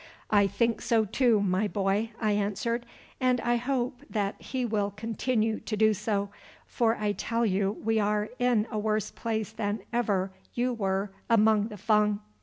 "I think so, too, my boy," I answered, "and I hope that He will continue to do so, for I tell you we are in a worse place than ever you were among the Fung."